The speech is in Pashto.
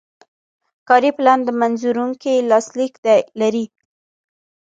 کاري پلان د منظوروونکي لاسلیک لري.